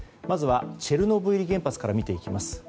まずはチェルノブイリ原発から見ていきます。